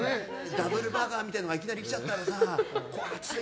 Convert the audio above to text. ダブルバーガーみたいなのがいきなり来ちゃったらさ